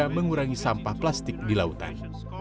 mengurangi sampah plastik di lautan